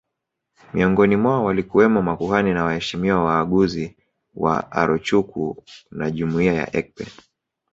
Miongoni mwao walikuwemo makuhani na waheshimiwa waaguzi wa Arochukwu na jumuiya ya Ekpe